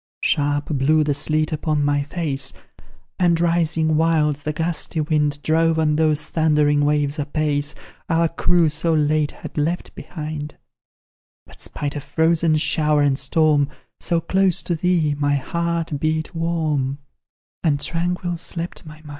Sharp blew the sleet upon my face, And, rising wild, the gusty wind Drove on those thundering waves apace, Our crew so late had left behind; But, spite of frozen shower and storm, So close to thee, my heart beat warm, And tranquil slept my mind.